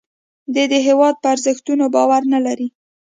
دی د هیواد په ارزښتونو باور نه لري